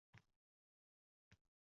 Rosa charchagandirsan